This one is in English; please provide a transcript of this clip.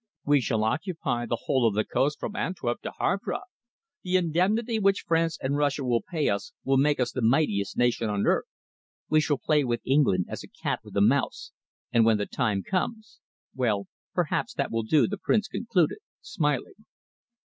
"We shall occupy the whole of the coast from Antwerp to Havre. The indemnity which France and Russia will pay us will make us the mightiest nation on earth. We shall play with England as a cat with a mouse, and when the time comes.... Well, perhaps that will do," the Prince concluded, smiling.